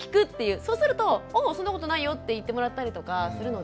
そうすると「ああそんなことないよ」って言ってもらったりとかするので。